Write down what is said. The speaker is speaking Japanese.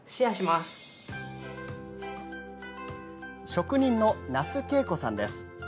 職人の那須恵子さんです。